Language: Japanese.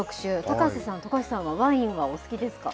高瀬さん、高橋さんはワインはお好きですか。